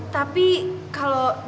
tapi kalau dilihatnya